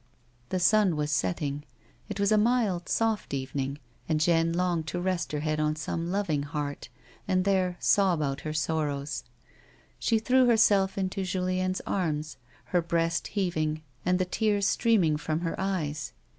The sun was setting ; it was a mild, soft evening, and Jeanne longed to rest her head on some loving heart, and there sob out her sorrows. She threw herself into Julien's arms, her breast heaving, and the tears streaming from her eyes.